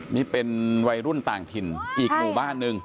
นี่เป็นวัยรุ่นต่างถิ่นอีกหมู่บ้านหนึ่ง